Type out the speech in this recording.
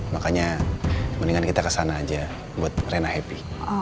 makanya mendingan kita kesana aja buat rena happy